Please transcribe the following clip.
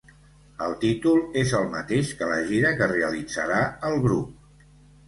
El títol és el mateix que la gira que realitzarà el grup.